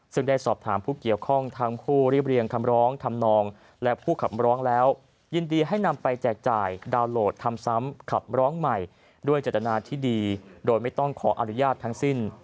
ซึ่งได้สอบถามผู้เกี่ยวข้องทั้งผู้เรียบเรียงคำร้องทำนองและผู้ขับร้องแล้วยินดีให้นำไปแจกจ่ายดาวน์โหลดทำซ้ำขับร้องใหม่ด้วยเจตนาที่ดีโดยไม่ต้องขออนุญาตทั้งสิ้น